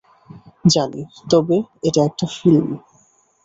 জানি, তবে এটা একটা ফিল্ম।